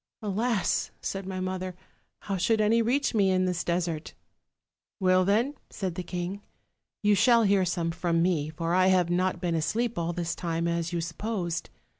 " 'Alas!' said my mother, 'how should any reach ma in this desert?' " 'Well, then,' said the king, 'you shall hear some from me; for I have not been asleep all this time as you supposed.